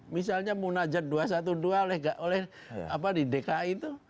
misalnya munajat dua ratus dua belas oleh di dki itu